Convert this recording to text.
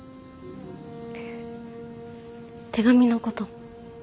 手紙のこと。